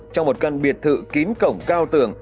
trong một căn biệt thự kín cổng cao tường